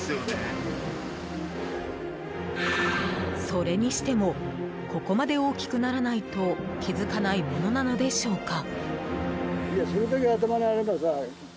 それにしてもここまで大きくならないと気づかないものなのでしょうか。